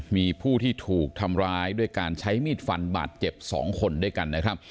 มีผู้ที่ถูกทำร้ายด้วยการใช้มีดฟันบาดเจ็บ๒คนด้วยกันนะครับ